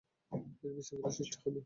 বিশৃঙ্খলার সৃষ্টি হবে।